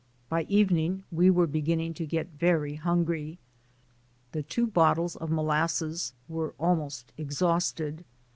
By evening we were be ginning to get very hungry. The two bottles of molasses were almost exhausted.